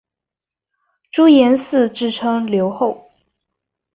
朱延嗣自称留后。